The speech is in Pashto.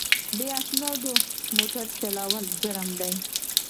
بې اسنادو موټر چلول جرم دی.